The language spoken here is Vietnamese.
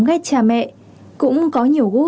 ghét cha mẹ cũng có nhiều